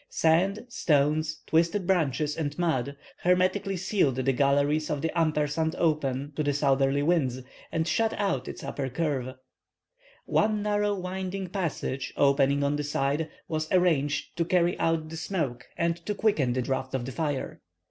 Sand, stones, twisted branches, and mud, hermetically sealed the galleries of the & open to the southerly winds, and shut out its upper curve. One narrow, winding passage, opening on the side; was arranged to carry out the smoke and to quicken the draught of the fire.